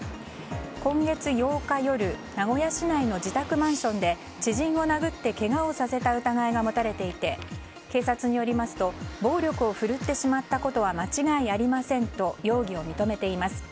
今月８日夜、名古屋市内の自宅マンションで知人を殴ってけがをさせた疑いが持たれていて警察によりますと暴力をふるってしまったことは間違いありませんと容疑を認めています。